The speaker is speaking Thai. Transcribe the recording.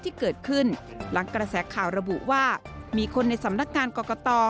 ที่เกิดขึ้นหลังกระแสข่าวระบุว่ามีคนในสำนักงานกรกต